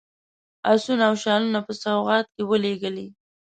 آسونه او شالونه په سوغات کې ولېږلي.